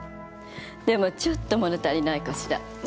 でもちょっともの足りないかしら。